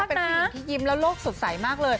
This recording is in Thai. เป็นผู้หญิงที่ยิ้มแล้วโลกสดใสมากเลย